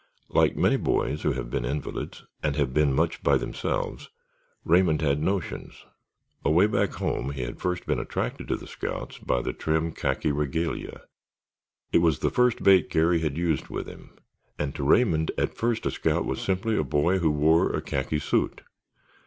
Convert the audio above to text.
Like many boys who have been invalids and have been much by themselves, Raymond had notions; away back home he had first been attracted to the scouts by the trim khaki regalia; it was the first bait Garry had used with him, and to Raymond at first a scout was simply a boy who wore a khaki suit.